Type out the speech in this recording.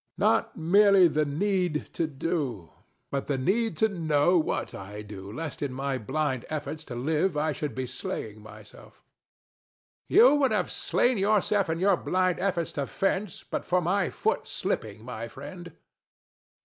Not merely the need to do, but the need to know what I do, lest in my blind efforts to live I should be slaying myself. THE STATUE. You would have slain yourself in your blind efforts to fence but for my foot slipping, my friend. DON JUAN.